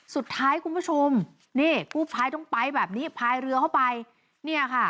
สุดท้ายคุณผู้ชมนี่กู้ภัยต้องไปแบบนี้พายเรือเข้าไป